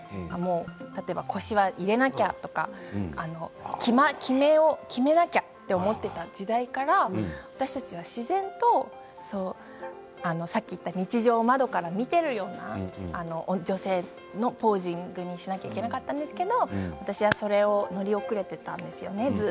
例えば腰はいれなくちゃとかきめなくちゃと思っていた時代から私たちは自然とさっき言った、日常の窓から見ているような女性のポージングにしなくてはいけなかったんですけれど私はすでに乗り遅れていたんですよね。